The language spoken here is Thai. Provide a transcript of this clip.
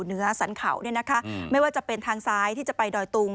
เหนือสรรเขาเนี่ยนะคะไม่ว่าจะเป็นทางซ้ายที่จะไปดอยตุง